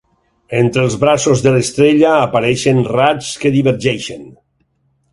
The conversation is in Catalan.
Entre els braços de l'estrella apareixen raigs que divergeixen.